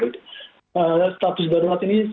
jadi status darurat ini